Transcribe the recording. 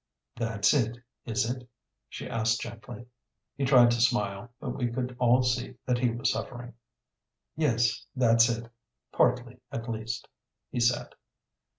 "That's it, is it?" she asked gently. He tried to smile, but we could all see that he was suffering. "Yes, that's it partly at least," he said.